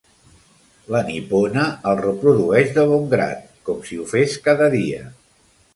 La nipona el reprodueix de bon grat, com si ho fes cada dia.